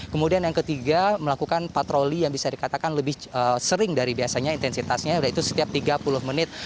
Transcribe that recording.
kemudian yang ketiga melakukan patroli yang bisa dikatakan lebih sering dari biasanya intensitasnya yaitu setiap tiga puluh menit